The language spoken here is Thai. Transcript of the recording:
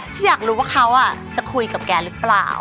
ที่อยากรู้ว่าเขาจะคุยกับแกหรือเปล่า